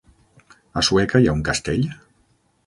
A Sueca hi ha un castell?